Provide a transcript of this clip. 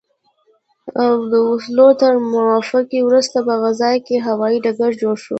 د اوسلو تر موافقې وروسته په غزه کې هوايي ډګر جوړ شو.